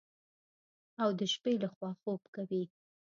او د شپې لخوا خوب کوي.